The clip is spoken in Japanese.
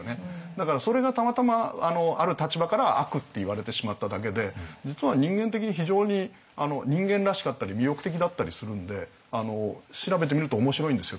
だからそれがたまたまある立場から「悪」って言われてしまっただけで実は人間的に非常に人間らしかったり魅力的だったりするんで調べてみると面白いんですよ